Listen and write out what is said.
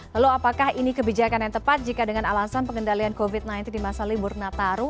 lalu apakah ini kebijakan yang tepat jika dengan alasan pengendalian covid sembilan belas di masa libur nataru